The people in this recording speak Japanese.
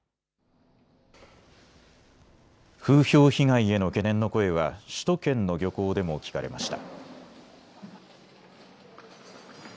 風評被害への懸念の声は首都圏の漁港でも聞かれました。